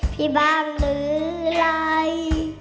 พี่บ้านเหลือไร